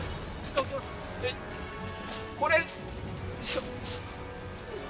これ。